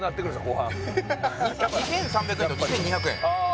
後半２３００円と２２００円あ